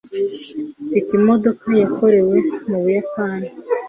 Mfite imodoka yakorewe mu Buyapani.